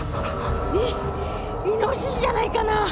イイノシシじゃないかな。